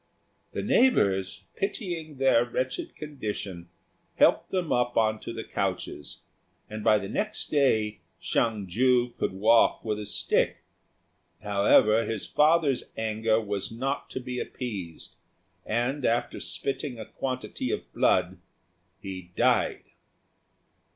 The neighbours, pitying their wretched condition, helped them up on to the couches, and by the next day Hsiang ju could walk with a stick; however, his father's anger was not to be appeased, and, after spitting a quantity of blood, he died.